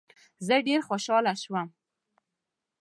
زه ډیر خوشحاله سوم.